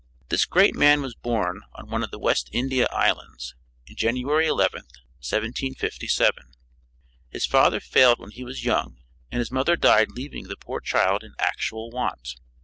This great man was born on one of the West India Islands, January 11th, 1757. His father failed when he was young and his mother died leaving the poor child in actual want.